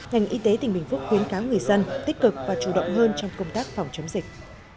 ngành y tế tỉnh bình phước khuyến cáo người dân tích cực và chủ động hơn trong công tác phòng chống dịch